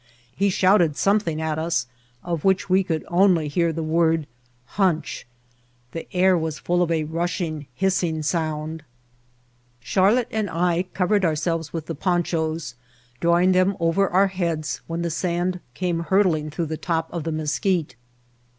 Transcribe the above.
He shouted something at us, of which we could only hear the word *'hunch." The air was full of a rushing, hissing sound. [2.1] White Heart of Mojave Charlotte and I covered ourselves with the ponchos, drawing them over our heads when the sand came hurtling through the top of the Mesquite.